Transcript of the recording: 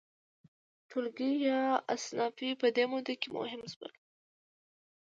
ټولګي یا اصناف په دې موده کې مهم شول.